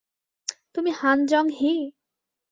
তুমি হান জং-হি?